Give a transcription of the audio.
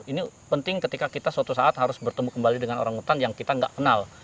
ini penting ketika kita suatu saat harus bertemu kembali dengan orangutan yang kita nggak kenal